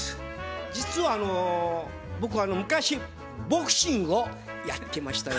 実はあの僕昔ボクシングをやっていましたよ。